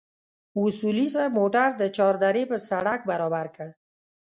اصولي صیب موټر د چار درې پر سړک برابر کړ.